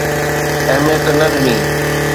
اهميت نه ڏني.